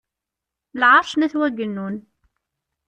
Lɛerc n At wagennun.